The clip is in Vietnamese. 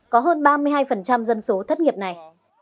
có hơn ba mươi hai dân số thất nghiệp này